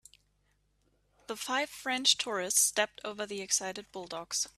The five French tourists stepped over the excited bulldogs.